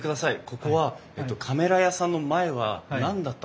ここはカメラ屋さんの前は何だったんですか？